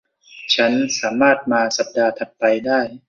ฉันสามารถมาสัปดาห์ถัดไปได้